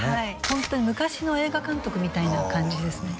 ホントに昔の映画監督みたいな感じですね